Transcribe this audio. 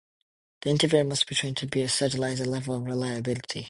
The interviewer must be trained to a standardized level of reliability.